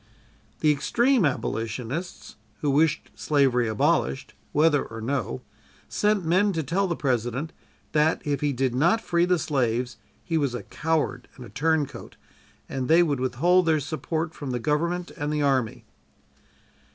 The extreme Abolitionists, who wished slavery abolished, whether or no, sent men to tell the President that if he did not free the slaves he was a coward and a turncoat, and they would withhold their support from the Government and the Army.